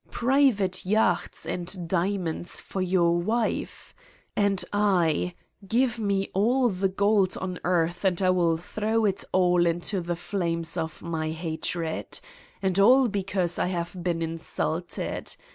Private yachts and diamonds for your wife? And I ... give me all the gold on earth and I will throw it all into the flames of my hatred. And all because I have been insulted